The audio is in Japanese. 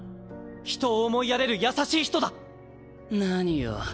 人を思いやれる優しい人だ。何を。